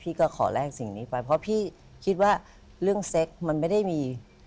ก็ขอแลกสิ่งนี้ไปเพราะพี่คิดว่าเรื่องเซ็กมันไม่ได้มี